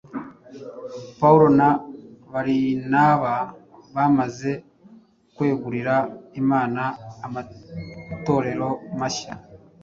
Pawulo na Barinaba bamaze kwegurira Imana amatorero mashya,